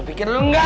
ketika di rumah